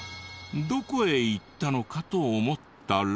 どこへ行ったのかと思ったら。